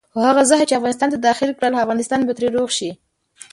خو هغه زهر چې افغانستان ته داخل کړل افغانستان به ترې روغ شي.